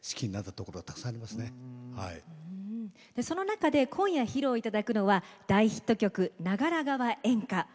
その中で今夜披露いただくのは大ヒット曲「長良川艶歌」。